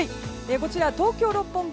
こちら、東京・六本木